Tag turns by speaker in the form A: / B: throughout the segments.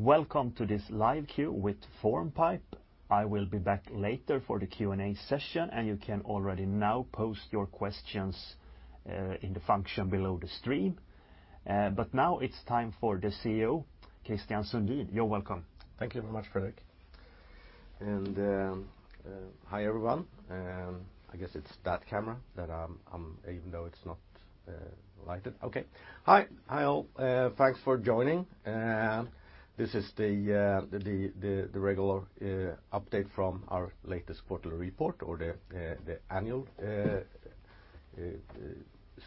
A: Welcome to this live queue with Formpipe. I will be back later for the Q&A session. You can already now post your questions in the function below the stream. Now it's time for the CEO, Christian Sundin. You're welcome.
B: Thank you very much, Fredrik. Hi, everyone. I guess it's that camera that I'm even though it's not lighted. Okay. Hi. Hi, all. Thanks for joining. This is the regular update from our latest quarterly report or the annual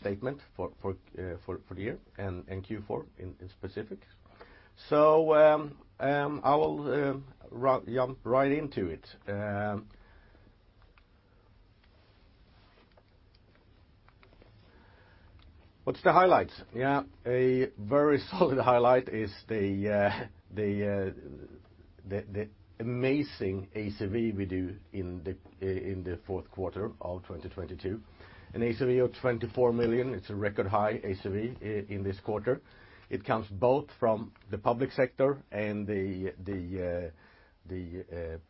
B: statement for the year and Q4 in specific. I will jump right into it. What's the highlights? Yeah, a very solid highlight is the amazing ACV we do in the fourth quarter of 2022. An ACV of 24 million, it's a record high ACV in this quarter. It comes both from the public sector and the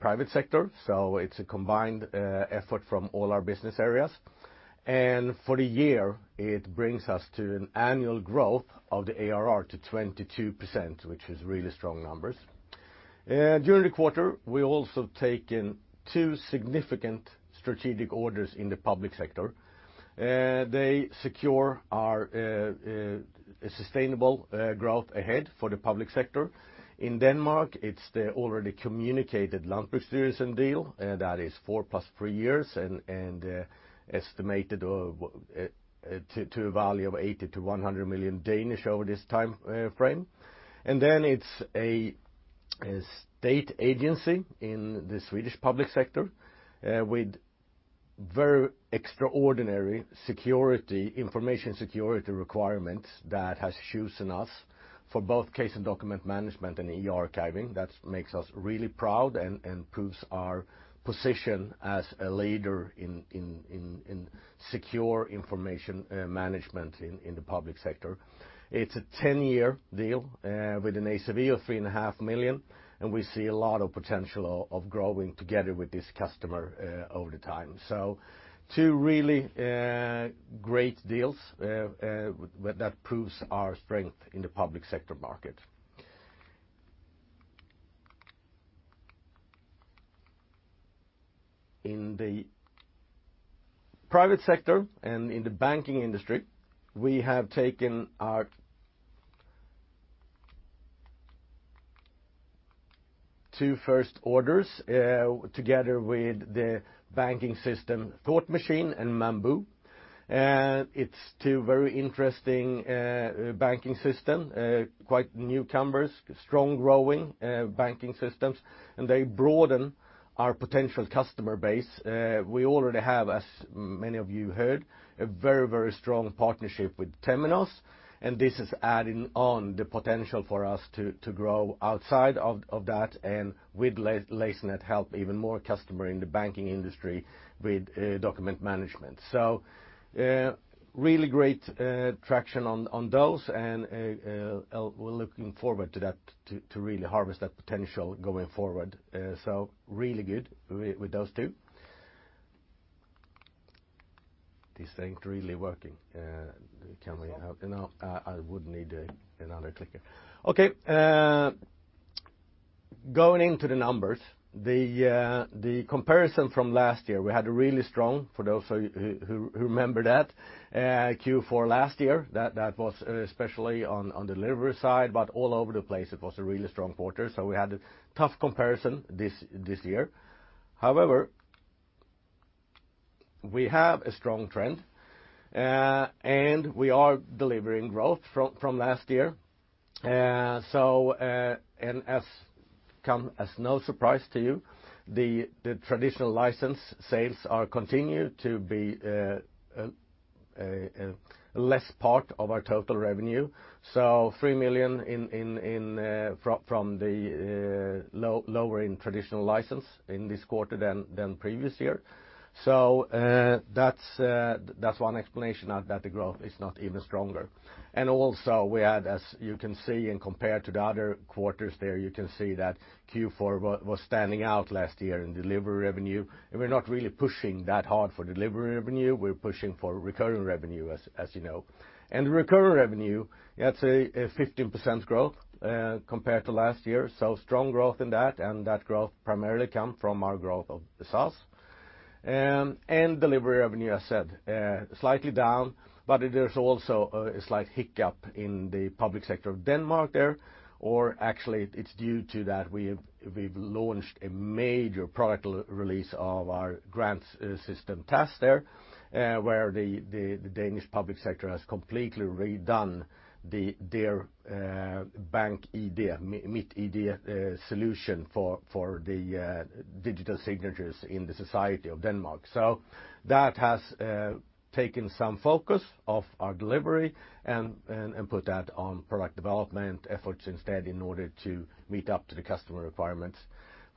B: private sector, so it's a combined effort from all our business areas. For the year, it brings us to an annual growth of the ARR to 22%, which is really strong numbers. During the quarter, we also taken two significant strategic orders in the public sector. They secure our sustainable growth ahead for the public sector. In Denmark, it's the already communicated Landbrugs Styrelsen deal, that is four plus three years and estimated of to a value of 80 million-100 million over this timeframe. Then it's a state agency in the Swedish public sector with very extraordinary security, information security requirements that has chosen us for both case and document management and e-archiving. That makes us really proud and proves our position as a leader in secure information management in the public sector. It's a 10-year deal, with an ACV of three and a half million. We see a lot of potential of growing together with this customer over the time. Two really great deals that proves our strength in the public sector market. In the private sector and in the banking industry, we have taken our two first orders together with the banking system Thought Machine and Mambu. It's two very interesting banking system, quite newcomers, strong growing banking systems. They broaden our potential customer base. We already have, as many of you heard, a very, very strong partnership with Temenos. This is adding on the potential for us to grow outside of that and with Lasernet help even more customer in the banking industry with document management. Really great traction on those, and we're looking forward to really harvest that potential going forward. Really good with those two. This thing's really working. Can we help? You know, I would need another clicker. Going into the numbers, the comparison from last year, we had a really strong, for those of you who remember that Q4 last year, that was especially on the delivery side, but all over the place, it was a really strong quarter. We had a tough comparison this year. However, we have a strong trend, and we are delivering growth from last year. As come as no surprise to you, the traditional license sales are continued to be a less part of our total revenue. 3 million in from the lower in traditional license in this quarter than previous year. That's one explanation of that the growth is not even stronger. Also we had, as you can see, and compared to the other quarters there, you can see that Q4 was standing out last year in delivery revenue. We're not really pushing that hard for delivery revenue, we're pushing for recurring revenue as you know. Recurring revenue, that's a 15% growth compared to last year. Strong growth in that, and that growth primarily come from our growth of the SaaS. Delivery revenue, as said, slightly down, but there's also a slight hiccup in the public sector of Denmark there. Actually, it's due to that we've launched a major product release of our grants system task there, where the Danish public sector has completely redone their bank ID, MitID solution for the digital signatures in the society of Denmark. That has taken some focus of our delivery and put that on product development efforts instead in order to meet up to the customer requirements.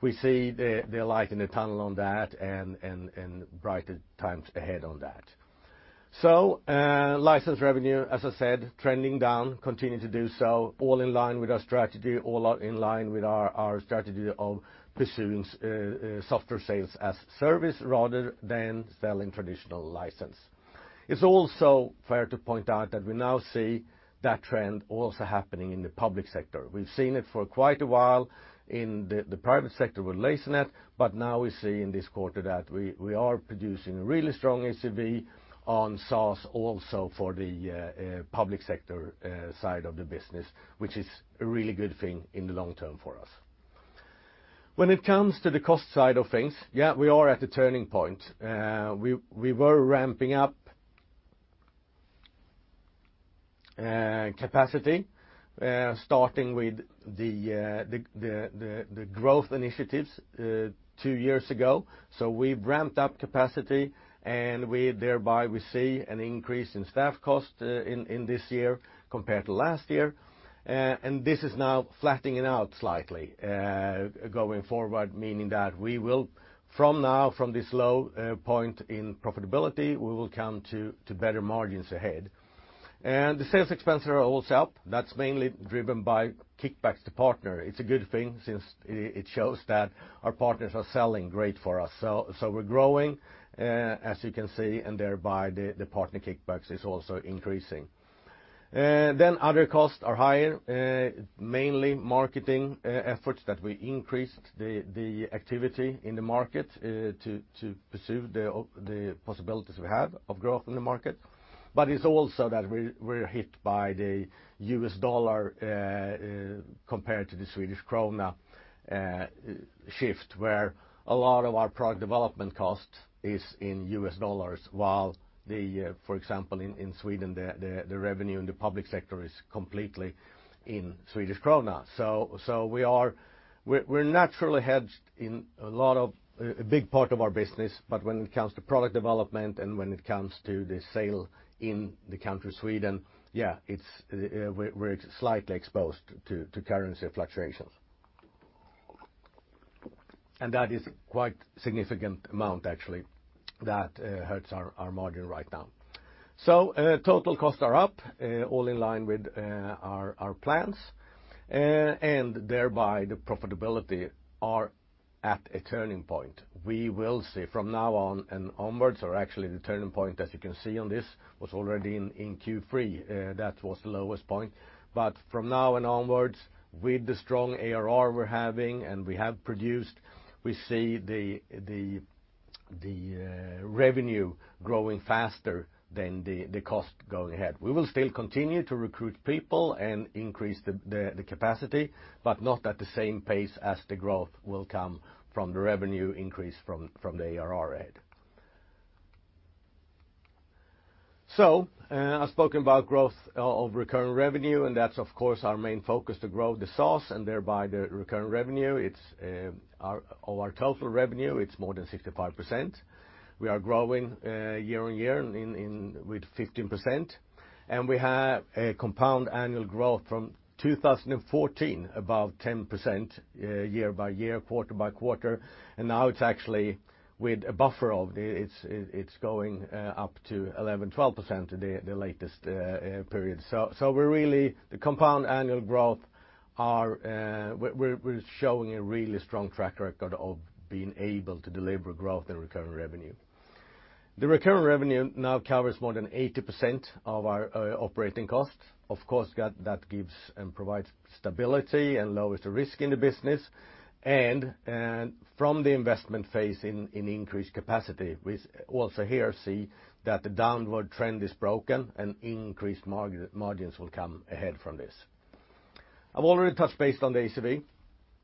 B: We see the light in the tunnel on that and brighter times ahead on that. License revenue, as I said, trending down, continuing to do so, all in line with our strategy, all are in line with our strategy of pursuing software sales as service rather than selling traditional license. It's also fair to point out that we now see that trend also happening in the public sector. We've seen it for quite a while in the private sector with Lasernet. Now we see in this quarter that we are producing really strong ACV on SaaS also for the public sector side of the business, which is a really good thing in the long term for us. When it comes to the cost side of things, we are at a turning point. We were ramping up capacity starting with the growth initiatives two years ago. We've ramped up capacity, and thereby we see an increase in staff costs in this year compared to last year. This is now flattening out slightly going forward, meaning that we will from now, from this low point in profitability, we will come to better margins ahead. The sales expense are also up. That's mainly driven by kickbacks to partner. It's a good thing since it shows that our partners are selling great for us. We're growing, as you can see, and thereby the partner kickbacks is also increasing. Other costs are higher, mainly marketing efforts that we increased the activity in the market to pursue the possibilities we have of growth in the market. It's also that we're hit by the U.S.. .$ compared to the SEK shift, where a lot of our product development cost is in US $s, while the, for example, in Sweden, the revenue in the public sector is completely in SEK. We're naturally hedged in a lot of a big part of our business, but when it comes to product development and when it comes to the sale in the country Sweden, yeah, it's, we're slightly exposed to currency fluctuations. That is quite significant amount actually that hurts our margin right now. Total costs are up, all in line with our plans, and thereby the profitability are at a turning point. We will see from now on and onwards, or actually the turning point, as you can see on this, was already in Q3. That was the lowest point. From now and onwards, with the strong ARR we're having and we have produced, we see the revenue growing faster than the cost going ahead. We will still continue to recruit people and increase the capacity, but not at the same pace as the growth will come from the revenue increase from the ARR rate. I've spoken about growth of recurring revenue, and that's of course our main focus to grow the SaaS and thereby the recurring revenue. It's of our total revenue, it's more than 65%. We are growing year-on-year with 15%. We have a compound annual growth from 2014, about 10% year-by-year, quarter-by-quarter. Now it's actually with a buffer of it's going up to 11%, 12% the latest period. We're the compound annual growth are we're showing a really strong track record of being able to deliver growth and recurring revenue. The recurring revenue now covers more than 80% of our operating costs. Of course, that gives and provides stability and lowers the risk in the business. From the investment phase in increased capacity, we also here see that the downward trend is broken and increased margins will come ahead from this. I've already touched base on the ACV.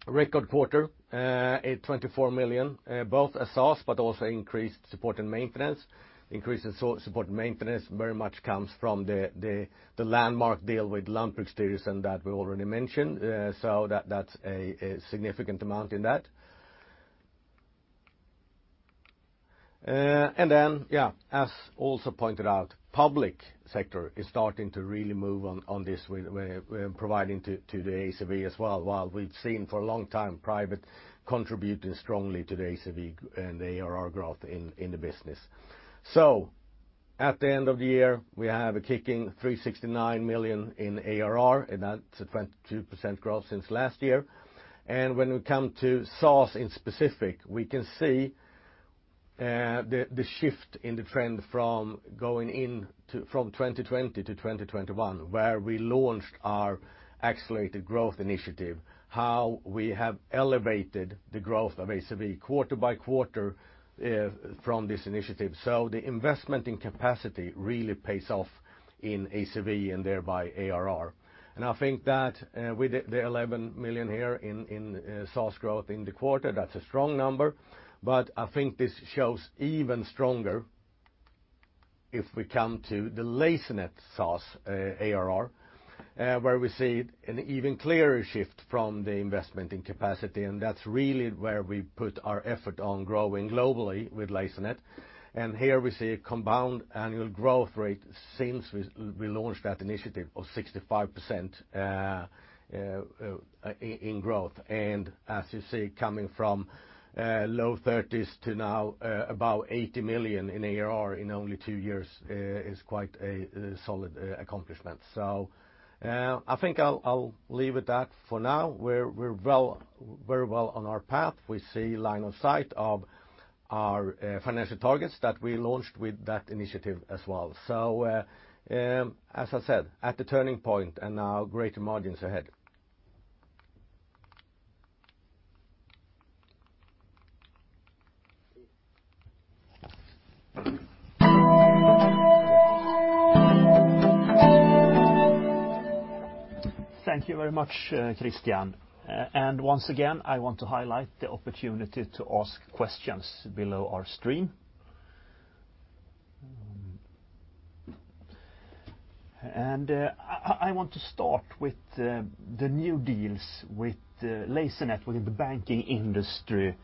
B: Record quarter at 24 million, both as SaaS, but also increased support and maintenance. Increased support and maintenance very much comes from the landmark deal with Landbrugsstyrelsen that we already mentioned, so that's a significant amount in that. Then, as also pointed out, public sector is starting to really move on on this. We're providing to the ACV as well, while we've seen for a long time private contributing strongly to the ACV and the ARR growth in the business. At the end of the year, we have a kicking 369 million in ARR. That's a 22% growth since last year. When we come to SaaS in specific, we can see the shift in the trend from 2020 to 2021, where we launched our accelerated growth initiative, how we have elevated the growth of ACV quarter by quarter from this initiative. The investment in capacity really pays off in ACV and thereby ARR. I think that, with the 11 million here in SaaS growth in the quarter, that's a strong number, but I think this shows even stronger. If we come to the Lasernet SaaS ARR where we see an even clearer shift from the investment in capacity, and that's really where we put our effort on growing globally with Lasernet. Here we see a compound annual growth rate since we launched that initiative of 65% in growth. As you see, coming from low 30s to now, about 80 million in ARR in only two years, is quite a solid accomplishment. I think I'll leave it at for now. We're very well on our path. We see line of sight of our financial targets that we launched with that initiative as well. As I said, at the turning point, now greater margins ahead.
A: Thank you very much, Christian. Once again, I want to highlight the opportunity to ask questions below our stream. I want to start with the new deals with Lasernet within the banking industry,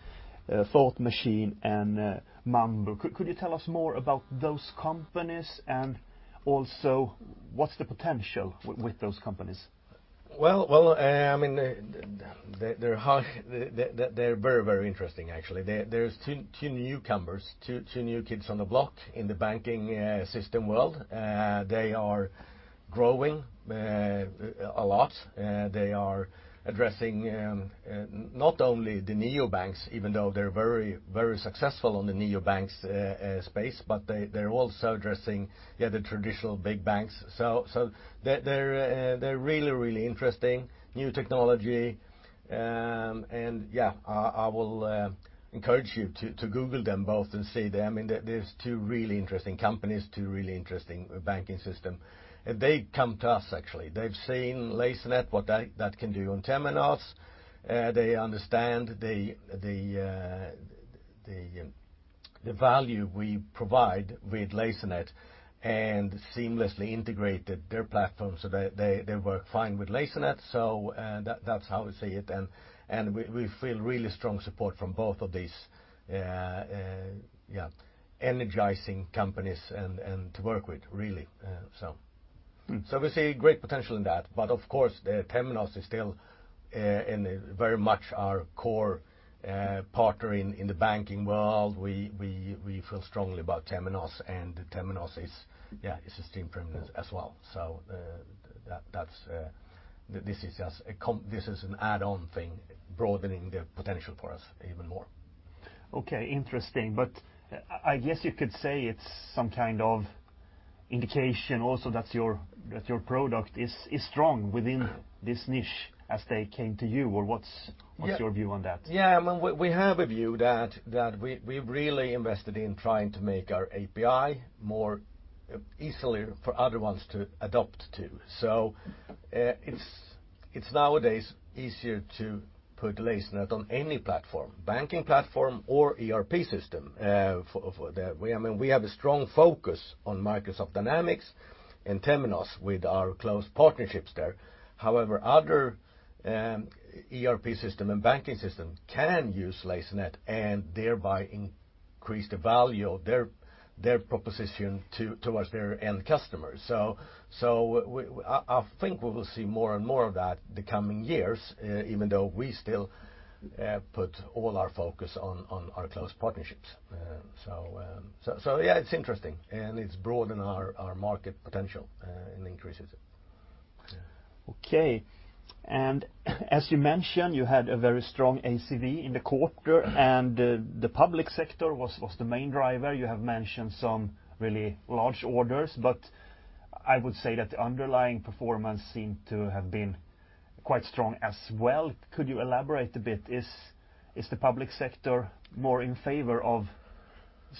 A: Thought Machine and Mambu. Could you tell us more about those companies, and also what's the potential with those companies?
B: I mean, they're very, very interesting actually. There's two newcomers, two new kids on the block in the banking system world. They are growing a lot. They are addressing not only the neobanks, even though they're very successful on the neobanks space, but they're also addressing the other traditional big banks. They're really interesting, new technology. I will encourage you to Google them both and see them. I mean, they're two really interesting companies, two really interesting banking system. They come to us, actually. They've seen Lasernet, what that can do on Temenos. They understand the value we provide with Lasernet and seamlessly integrated their platform so that they work fine with Lasernet. That's how we see it. We feel really strong support from both of these, yeah, energizing companies and to work with, really. We see great potential in that. Of course, Temenos is still in very much our core partner in the banking world. We feel strongly about Temenos, and Temenos is, yeah, is a team permanent as well. That's, this is an add-on thing, broadening the potential for us even more.
A: Okay, interesting. I guess you could say it's some kind of indication also that your product is strong within this niche as they came to you, or?
B: Yeah.
A: What's your view on that?
B: I mean, we have a view that we've really invested in trying to make our API more easily for other ones to adopt to. It's nowadays easier to put Lasernet on any platform, banking platform or ERP system. I mean, we have a strong focus on Microsoft Dynamics and Temenos with our close partnerships there. However, other ERP system and banking system can use Lasernet and thereby increase the value of their proposition towards their end customers. I think we will see more and more of that the coming years, even though we still put all our focus on our close partnerships. Yeah, it's interesting, and it's broadened our market potential and increases it.
A: Okay. As you mentioned, you had a very strong ACV in the quarter, the public sector was the main driver. You have mentioned some really large orders, I would say that the underlying performance seemed to have been quite strong as well. Could you elaborate a bit? Is the public sector more in favor of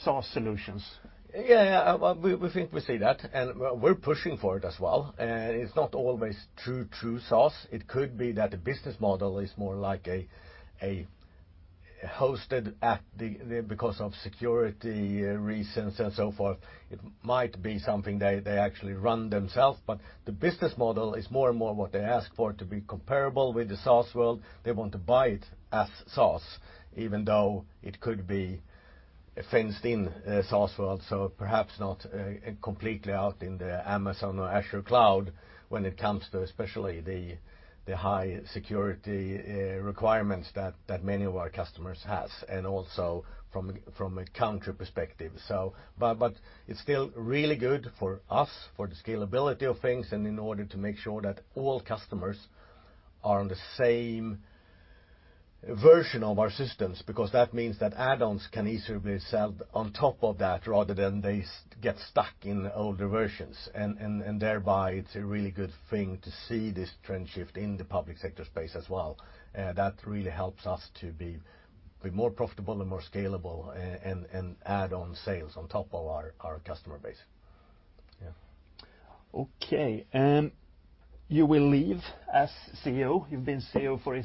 A: SaaS solutions?
B: Yeah, yeah. We think we see that. We're pushing for it as well. It's not always true SaaS. It could be that the business model is more like a hosted at the because of security reasons and so forth. It might be something they actually run themselves. The business model is more and more what they ask for to be comparable with the SaaS world. They want to buy it as SaaS, even though it could be a fenced-in SaaS world, so perhaps not completely out in the Amazon or Azure cloud when it comes to especially the high security requirements that many of our customers has, and also from a country perspective. It's still really good for us, for the scalability of things, and in order to make sure that all customers are on the same version of our systems, because that means that add-ons can easily be sold on top of that rather than they get stuck in older versions. Thereby, it's a really good thing to see this trend shift in the public sector space as well. That really helps us to be more profitable and more scalable and add on sales on top of our customer base. Yeah.
A: Okay. You will leave as CEO. You've been CEO for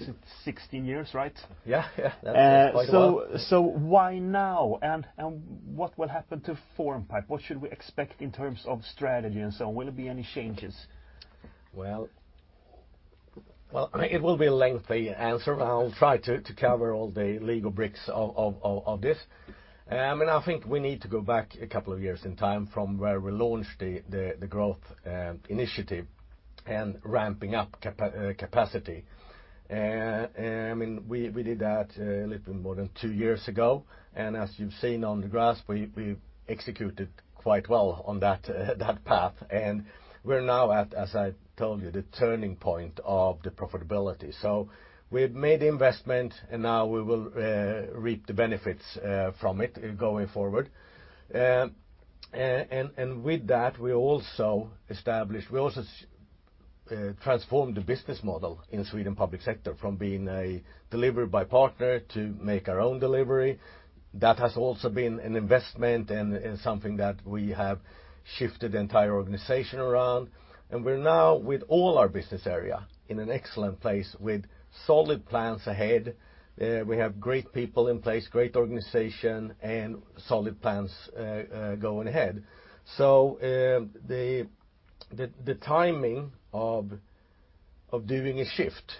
A: 16 years, right?
B: Yeah. That's quite a while.
A: Why now? What will happen to Formpipe? What should we expect in terms of strategy and so on? Will there be any changes?
B: Well, well, it will be a lengthy answer, but I'll try to cover all the Lego bricks of this. I think we need to go back two years in time from where we launched the growth initiative and ramping up capacity. I mean, we did that a little more than two years ago, and as you've seen on the graphs, we executed quite well on that path. We're now at, as I told you, the turning point of the profitability. We've made the investment, and now we will reap the benefits from it going forward. And with that, we also transformed the business model in Sweden public sector from being a delivery by partner to make our own delivery. That has also been an investment and something that we have shifted the entire organization around. We're now with all our business area in an excellent place with solid plans ahead. We have great people in place, great organization, and solid plans going ahead. The timing of doing a shift,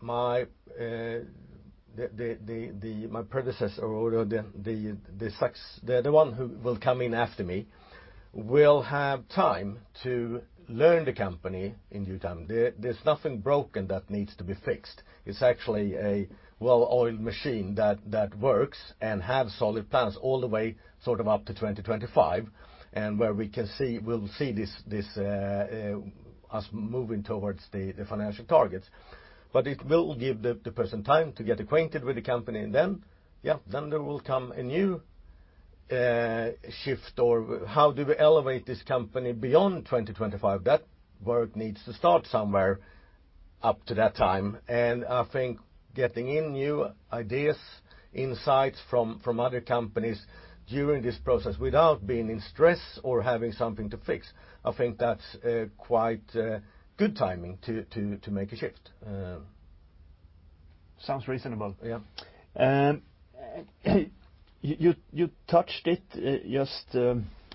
B: my predecessor or the one who will come in after me will have time to learn the company in due time. There's nothing broken that needs to be fixed. It's actually a well-oiled machine that works and have solid plans all the way sort of up to 2025, and where we'll see this us moving towards the financial targets. It will give the person time to get acquainted with the company and then, yeah, then there will come a new shift or how do we elevate this company beyond 2025. That work needs to start somewhere up to that time. I think getting in new ideas, insights from other companies during this process without being in stress or having something to fix, I think that's quite good timing to make a shift.
A: Sounds reasonable.
B: Yeah.
A: You touched it just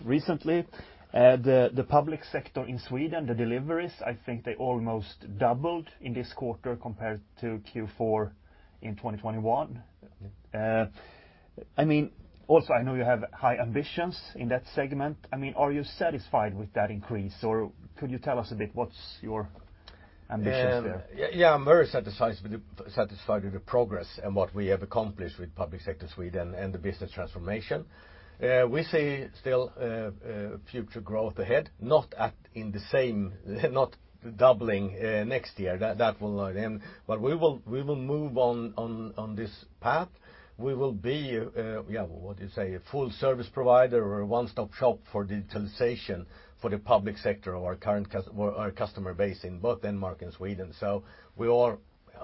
A: recently. The public sector in Sweden, the deliveries, I think they almost doubled in this quarter compared to Q4 in 2021. I mean, also I know you have high ambitions in that segment. I mean, are you satisfied with that increase, or could you tell us a bit what's your ambitions there?
B: Yeah, I'm very satisfied with the progress and what we have accomplished with public sector Sweden and the business transformation. we see still future growth ahead, not at in the same, not doubling next year. That will not end. we will move on this path. We will be, yeah, what do you say, a full service provider or a one-stop shop for digitalization for the public sector or our current customer base in both Denmark and Sweden.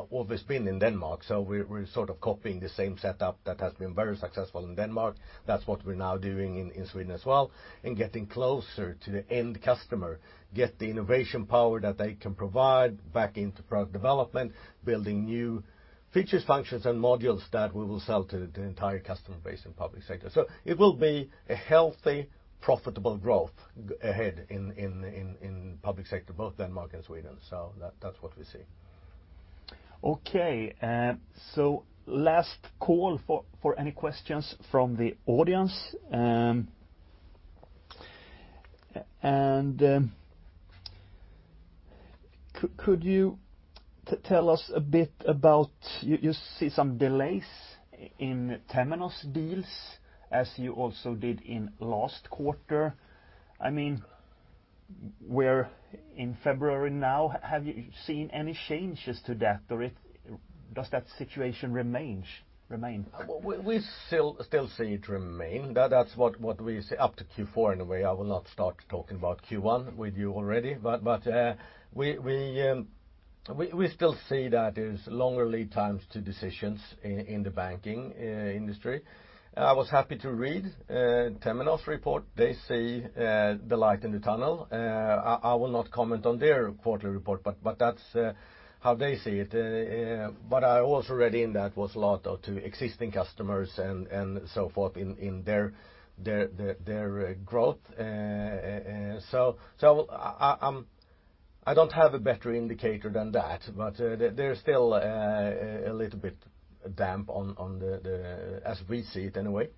B: always been in Denmark, so we're sort of copying the same setup that has been very successful in Denmark. That's what we're now doing in Sweden as well and getting closer to the end customer, get the innovation power that they can provide back into product development, building new features, functions, and modules that we will sell to the entire customer base in public sector. It will be a healthy, profitable growth ahead in public sector, both Denmark and Sweden. That's what we see.
A: Okay. Last call for any questions from the audience. Could you tell us a bit about you see some delays in Temenos deals as you also did in last quarter. I mean, we're in February now. Have you seen any changes to that or does that situation remain?
B: We still see it remain. That's what we see up to Q4, in a way. I will not start talking about Q1 with you already. We still see that there's longer lead times to decisions in the banking industry. I was happy to read Temenos report. They see the light in the tunnel. I will not comment on their quarterly report, but that's how they see it. I also read in that was a lot of to existing customers and so forth in their growth. I don't have a better indicator than that, but there is still a little bit damp on the as we see it anyway.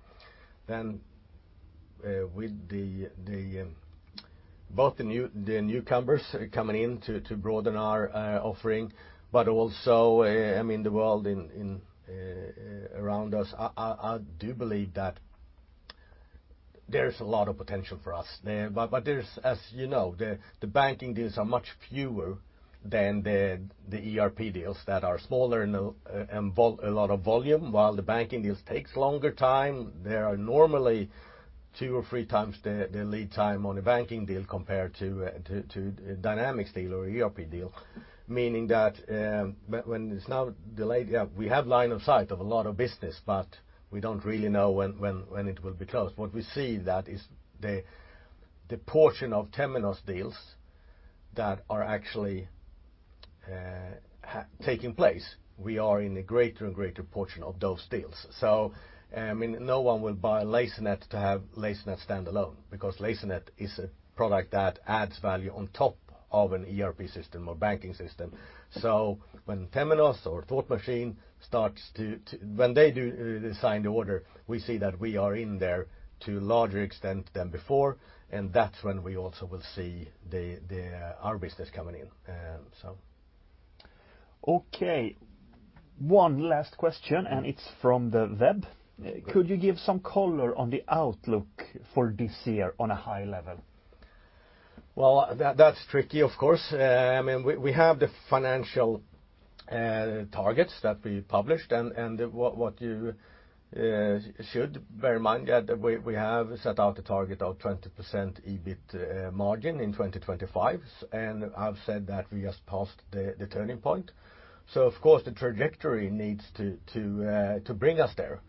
B: With both the newcomers coming in to broaden our offering, but also, I mean, the world around us, I do believe that there is a lot of potential for us. There's, as you know, banking deals are much fewer than ERP deals that are smaller and involve a lot of volume. While the banking deals takes longer time, there are normally two or three times the lead time on a banking deal compared to Dynamics deal or ERP deal. When it's now delayed, yeah, we have line of sight of a lot of business, but we don't really know when it will be closed. What we see that is the portion of Temenos deals that are actually taking place, we are in a greater and greater portion of those deals. I mean, no one will buy Lasernet to have Lasernet stand alone because Lasernet is a product that adds value on top of an ERP system or banking system. When Temenos or Thought Machine starts to when they do sign the order, we see that we are in there to larger extent than before, and that's when we also will see the Our business coming in.
A: Okay, one last question, and it's from the web.
B: Good.
A: Could you give some color on the outlook for this year on a high level?
B: Well, that's tricky, of course. I mean, we have the financial targets that we published and what you should bear in mind that we have set out a target of 20% EBIT margin in 2025, and I've said that we just passed the turning point. Of course the trajectory needs to bring us there.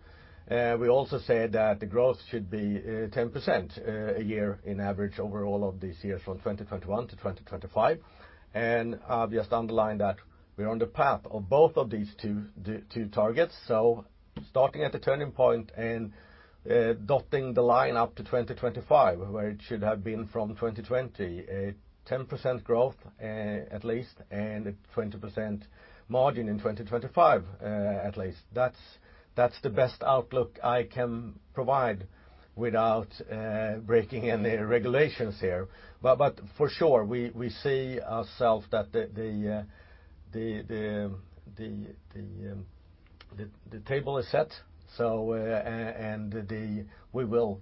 B: We also said that the growth should be 10% a year in average over all of these years from 2021-2025. I'll just underline that we're on the path of both of these two targets. Starting at the turning point and dotting the line up to 2025, where it should have been from 2020, 10% growth, at least, and 20% margin in 2025, at least. That's the best outlook I can provide without breaking any regulations here. For sure, we see ourself that the table is set, so and we will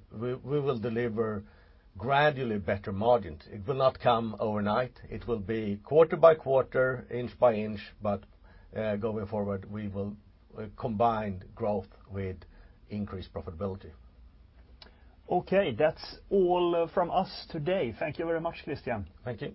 B: deliver gradually better margins. It will not come overnight. It will be quarter by quarter, inch by inch, but going forward, we will combine growth with increased profitability.
A: Okay, that's all from us today. Thank you very much, Christian.
B: Thank you.